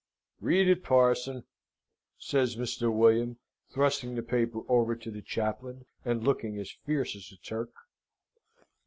"Read it, Parson!" says Mr. William, thrusting the paper over to the chaplain, and looking as fierce as a Turk.